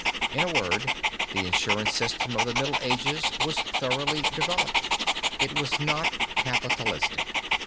In a word, the insurance system of the Middle Ages was thoroughly developed. It was not capitalistic.